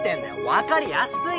分かりやす過ぎ！